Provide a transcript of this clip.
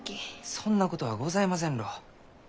そんなことはございませんろう。